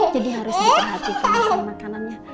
jadi harus diperhatikan masalah makanannya